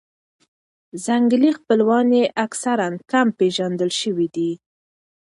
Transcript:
ځنګلي خپلوان یې اکثراً کم پېژندل شوي دي.